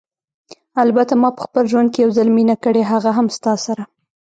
البته ما په خپل ژوند کې یو ځل مینه کړې، هغه هم ستا سره.